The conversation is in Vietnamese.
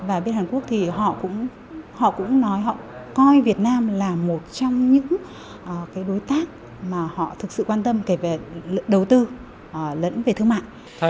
và bên hàn quốc thì họ cũng nói họ coi việt nam là một trong những đối tác mà họ thực sự quan tâm kể về đầu tư lẫn về thương mại